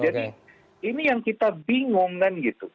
jadi ini yang kita bingung kan gitu